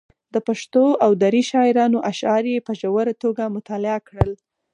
د پښتو او دري شاعرانو اشعار یې په ژوره توګه مطالعه کړل.